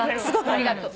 ありがとう。